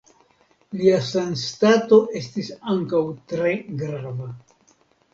Lia sanstato estis ankaŭ tre grava.